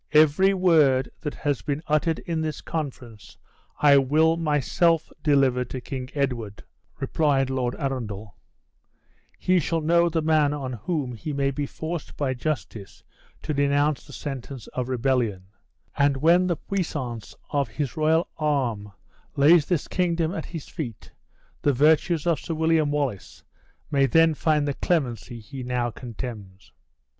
"Every word that has been uttered in this conference I will myself deliver to King Edward," replied Lord Arundel; "he shall know the man on whom he may be forced by justice to denounce the sentence of rebellion; and when the pruissance of his royal arm lays this kingdom at his feet, the virtues of Sir William Wallace may then find the clemency he now contemns!"